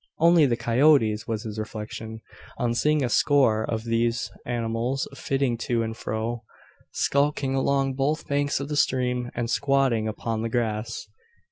"Only the coyotes!" was his reflection, on seeing a score of these animals flitting to and fro, skulking along both banks of the stream, and "squatting" upon the grass.